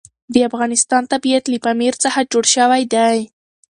د افغانستان طبیعت له پامیر څخه جوړ شوی دی.